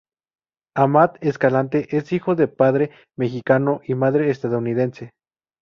Amat Escalante es hijo de padre mexicano y madre estadounidense.